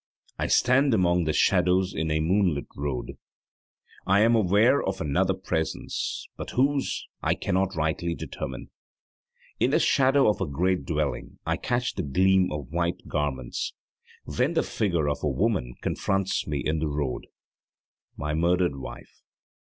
I stand among the shadows in a moonlit road. I am aware of another presence, but whose I cannot rightly determine. In the shadow of a great dwelling I catch the gleam of white garments; then the figure of a woman confronts me in the road my murdered wife!